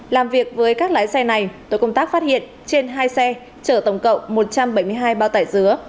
làm việc với các lái xe này tôi công tác phát hiện trên hai xe chở tổng cộng một trăm bảy mươi hai bao tải dứa